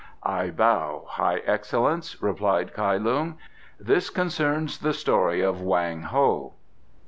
"I bow, High Excellence," replied Kai Lung. "This concerns the story of Wang Ho."